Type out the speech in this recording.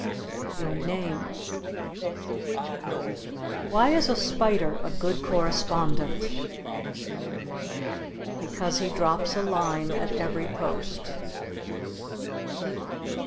Your name. Why is a spider a good correspondent? Because he drops a line at every post.